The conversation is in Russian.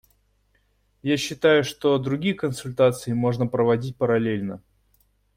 Я считаю, что другие консультации можно проводить параллельно.